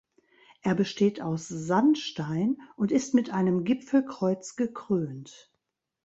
Er besteht aus Sandstein und ist mit einem Gipfelkreuz gekrönt.